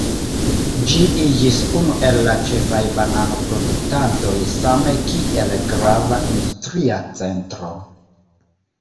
Ĝi iĝis unu el la ĉefaj banano-produktantoj same kiel grava industria centro.